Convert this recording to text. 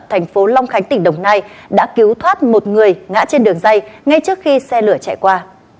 thành phố long khánh tỉnh đồng nai đã cứu thoát một người ngã trên đường dây ngay trước khi xe lửa chạy qua